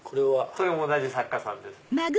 それも同じ作家さんです。